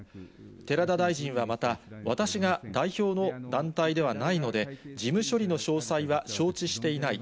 寺田大臣はまた、私が代表の団体ではないので、事務処理の詳細は承知していない。